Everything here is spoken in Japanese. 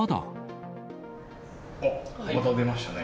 また出ましたね。